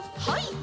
はい。